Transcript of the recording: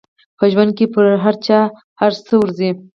په ژوند کې پر چا هر څه ورځي.